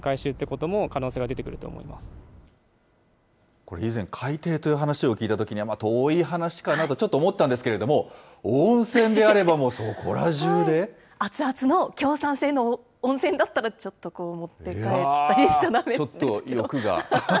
これ、以前、海底という話を聞いたときに、遠い話かなとちょっと思ったんですけれども、温泉であれば、熱々の強酸性の温泉だったら、ちょっとこう、ちょっと欲が。